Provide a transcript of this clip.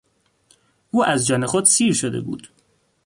او از جان خود سیر شده بود.